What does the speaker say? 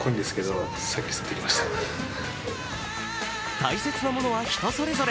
大切なものは人それぞれ。